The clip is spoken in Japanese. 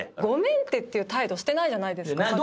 「ごめんて」っていう態度してないじゃないですか。